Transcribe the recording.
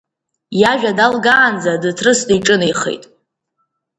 Иажәа далгаанӡа дыҭрысны иҿынеихеит.